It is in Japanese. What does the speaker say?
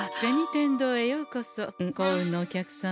天堂へようこそ幸運のお客様。